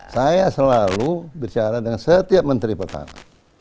saya selalu berbicara dengan setiap menteri pertama